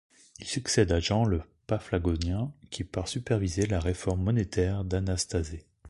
Il succède à Jean le Paphlagonien qui part superviser la réforme monétaire d'Anastase.